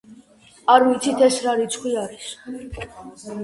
არ ვიცით ეს რა რიცხვი არის.